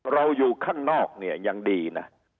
เราอยู่ข้างนอกมียังดีน่ะ